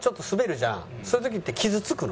そういう時って傷つくの？